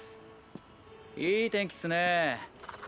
いい天気すね。